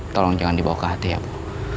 tolong jangan dibawa ke hati ya bu